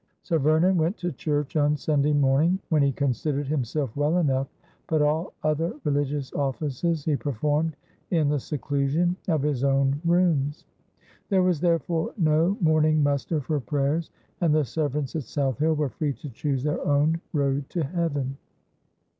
Sir Vernon went to church on Sunday morn ing, when he considered himself well enough ; but all other religious ofi&ces he performed in the seclusion of his own rooms. There was therefore no morning muster for prayers, and the servants at South Hill were free to choose their own road to heaven.